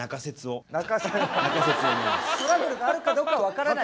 トラブルがあるかどうかは分からないんですね？